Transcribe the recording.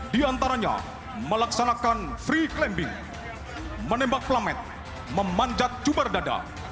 di antaranya melaksanakan free climbing menembak plamet memanjat jubar dada